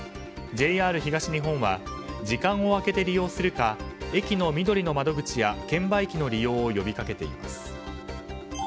ＪＲ東日本は時間をあけて利用するか駅のみどりの窓口や券売機の利用を呼びかけています。